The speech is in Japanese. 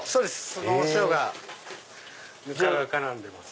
そのお塩がぬかが絡んでます。